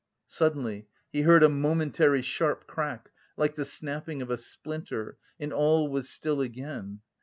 Suddenly he heard a momentary sharp crack like the snapping of a splinter and all was still again.